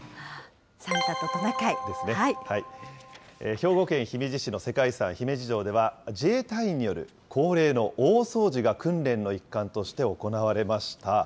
兵庫県姫路市の世界遺産、姫路城では、自衛隊員による恒例の大掃除が訓練の一環として行われました。